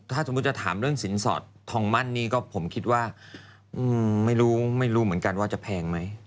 ถ้าสมมุติจะถามเรื่องสินสอดทองมั่นนี่ก็ผมคิดว่าไม่รู้ไม่รู้เหมือนกันว่าจะแพงไหม